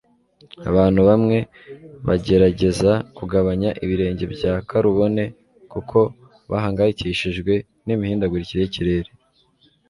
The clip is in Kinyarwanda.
Abantu bamwe bagerageza kugabanya ibirenge bya karubone kuko bahangayikishijwe nimihindagurikire yikirere